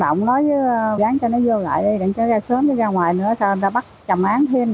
đánh cho nó vô lại đi đánh cho nó ra sớm chứ ra ngoài nữa sao người ta bắt trầm án thêm